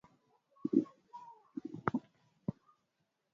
anatakiwa kutumia vidonge vilivyopendekezwa na mtaalamu wa afya